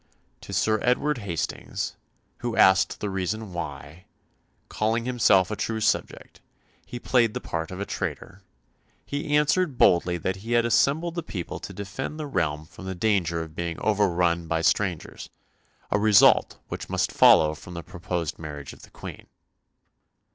To Sir Edward Hastings, who asked the reason why, calling himself a true subject, he played the part of a traitor, he answered boldly that he had assembled the people to defend the realm from the danger of being overrun by strangers, a result which must follow from the proposed marriage of the Queen.